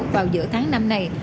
vào giữa tháng năm này